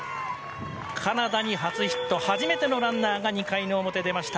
カナダに初ヒット初めてのランナーが２回の表、出ました。